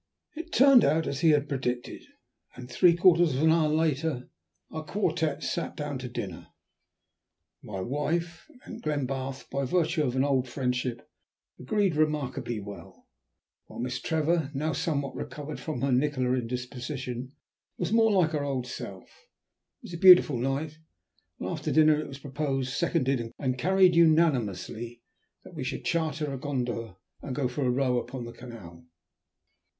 It turned out as he had predicted, and three quarters of an hour later our quartet sat down to dinner. My wife and Glenbarth, by virtue of an old friendship, agreed remarkably well, while Miss Trevor, now somewhat recovered from her Nikola indisposition, was more like her old self. It was a beautiful night, and after dinner it was proposed, seconded, and carried unanimously, that we should charter a gondola and go for a row upon the canal.